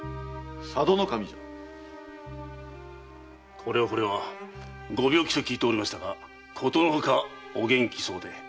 これはこれはご病気と聞いておりましたがことのほかお元気そうで。